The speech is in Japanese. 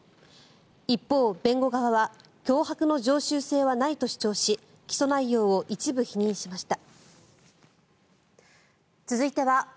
一方、弁護側は脅迫の常習性はないと主張し起訴内容を一部否認しました。